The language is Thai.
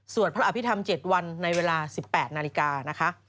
พระอภิษฐรรม๗วันในเวลา๑๘นาฬิกานะคะ